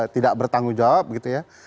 tidak bertanggung jawab gitu ya